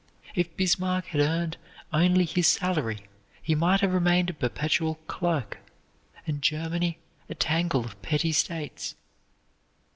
If Bismarck had earned only his salary, he might have remained a perpetual clerk, and Germany a tangle of petty states.